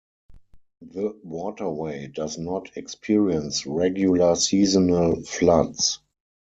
The waterway does not experience regular seasonal floods.